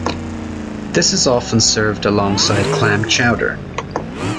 This is often served alongside clam chowder.